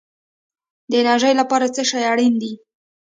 د انرژۍ لپاره څه شی اړین دی؟